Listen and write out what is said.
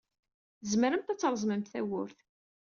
Tzemremt ad treẓmemt tawwurt.